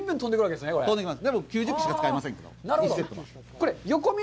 でも、９０球しか使いませんけど、１試合。